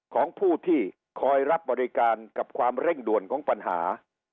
ของผู้ที่คอยรับบริการกับความเร่งด่วนของปัญหา